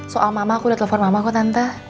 soal mama aku udah telepon mama kok tante